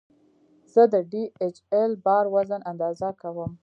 زه د ډي ایچ ایل بار وزن اندازه کوم.